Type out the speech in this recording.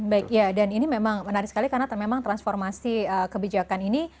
baik ya dan ini memang menarik sekali karena memang transformasi kebijakan ini